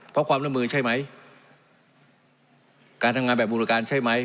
เพราะความร่วมมือใช่ไหมการทำงานแบบบูรการใช่ไหม